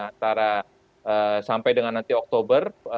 antara sampai dengan nanti oktober